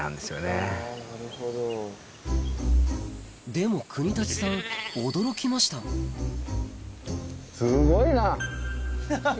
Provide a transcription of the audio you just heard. でも國立さん驚きましたすごいな。